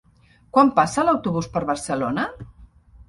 Quan passa l'autobús per Barcelona?